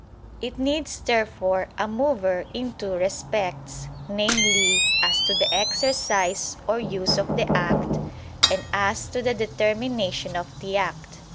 It needs therefore a mover in two respects, viz. as to the exercise or use of the act, and as to the determination of the act.